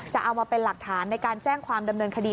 จะเอามาเป็นหลักฐานในการแจ้งความดำเนินคดี